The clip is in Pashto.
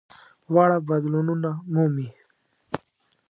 واړه بدلونونه مومي.